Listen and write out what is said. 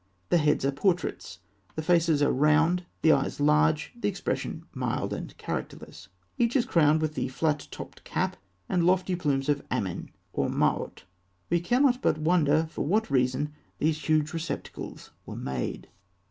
The heads are portraits. The faces are round, the eyes large, the expression mild and characterless. Each is crowned with the flat topped cap and lofty plumes of Amen or Maut. We cannot but wonder for what reason these huge receptacles were made.